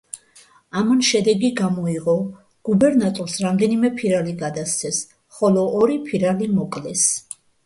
ამან შედეგი გამოიღო, გუბერნატორს რამდენიმე ფირალი გადასცეს, ხოლო ორი ფირალი მოკლეს.